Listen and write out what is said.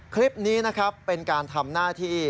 คลิปนี้นะครับเป็นการทำหน้าที่